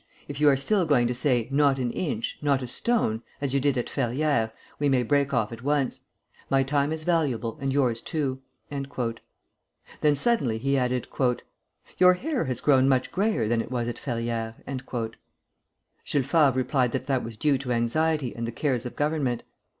If you are still going to say, 'Not an inch, not a stone,' as you did at Ferrières, we may break off at once. My time is valuable, and yours too." Then suddenly he added: "Your hair has grown much grayer than it was at Ferrières." Jules Favre replied that that was due to anxiety and the cares of government.